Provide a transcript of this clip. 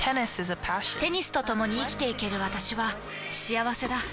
テニスとともに生きていける私は幸せだ。